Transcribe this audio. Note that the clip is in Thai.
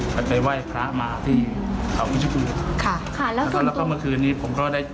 ไปไปไหว้พระมาที่เขาวิชกูค่ะค่ะแล้วก็แล้วก็เมื่อคืนนี้ผมก็ได้